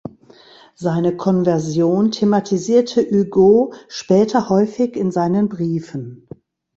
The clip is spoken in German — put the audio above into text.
Seine Konversion thematisierte Hugo später häufig in seinen Briefen.